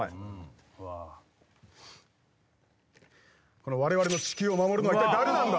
この我々の地球を守るのは一体誰なんだ？